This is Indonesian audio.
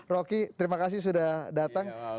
rocky terima kasih sudah datang